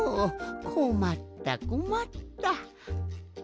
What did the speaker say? こまったこまった。